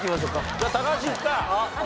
じゃあ高橋いくか。